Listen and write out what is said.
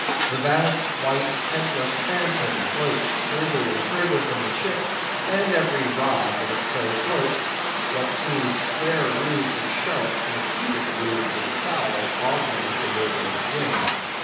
The vast white headless phantom floats further and further from the ship, and every rod that it so floats, what seem square roods of sharks and cubic roods of fowls, augment the murderous din.